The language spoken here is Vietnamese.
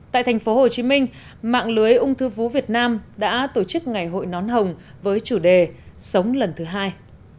tại thành phố hồ chí minh mạng lưới ung thư vú việt nam đã tổ chức ngày hội nón hồng với chủ đề sống lần thứ hai